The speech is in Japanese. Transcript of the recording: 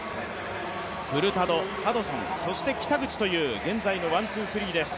フルタド、ハドソン、そして北口という現在のワン・ツー・スリーです。